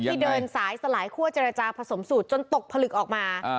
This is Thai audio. เดินสายสลายคั่วเจรจาผสมสูตรจนตกผลึกออกมา